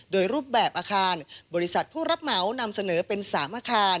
โดยรูปแบบอาคารบริษัทผู้รับเหมานำเสนอเป็นสามอาคาร